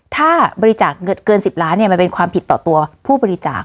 ถ้าบริจาคเงินเกิน๑๐ล้านมันเป็นความผิดต่อตัวผู้บริจาค